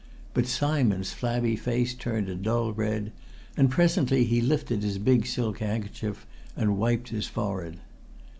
But Simon's flabby face turned a dull red, and presently he lifted his big silk handkerchief and wiped his forehead.